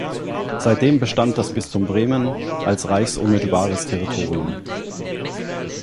Seitdem bestand das Bistum Bremen als reichsunmittelbares Territorium.